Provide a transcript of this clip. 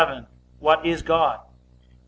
What is God? A.